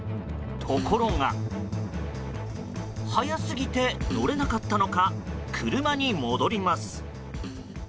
ところが速すぎて乗れなかったのか車に戻ります。